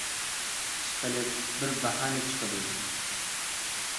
ئىشقىلىپ، بىر باھانە چىقىدۇ.